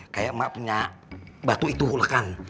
kayak emak punya batu itu ulekan